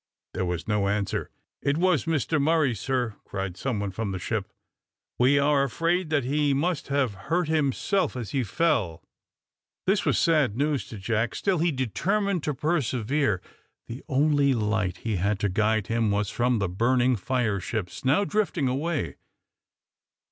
There was no answer. "It was Mr Murray, sir," cried some one from the ship. "We are afraid that he must have hurt himself as he fell." This was sad news to Jack. Still he determined to persevere. The only light he had to guide him was from the burning fire ships now drifting away.